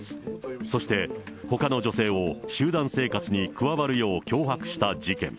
そして、ほかの女性を集団生活に加わるよう脅迫した事件。